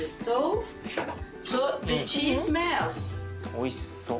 おいしそ。